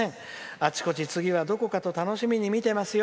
あちこち、次は楽しみに見てますよ。